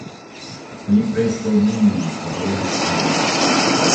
Li preskaŭ neniam parolas al mi.